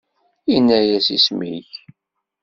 Inna-yas: Isem-ik?